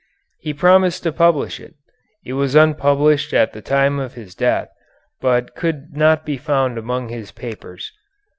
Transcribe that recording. He promised to publish it. It was unpublished at the time of his death, but could not be found among his papers.